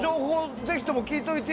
ぜひとも聞いといてよ。